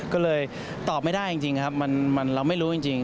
ก็เลยตอบไม่ได้จริงครับเราไม่รู้จริง